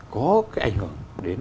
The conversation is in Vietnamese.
có cái ảnh hưởng đến